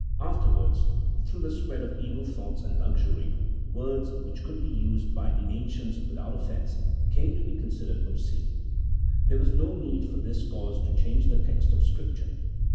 Afterwards, through the spread of evil thoughts and luxury, words which could be used by the ancients without offence, came to be considered obscene. There was no need for this cause to change the text of Scripture.